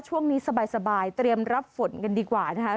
ช่วงนี้สบายเตรียมรับฝนกันดีกว่านะคะ